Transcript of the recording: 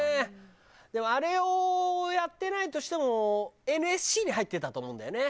でもあれをやってないとしてもＮＳＣに入ってたと思うんだよね。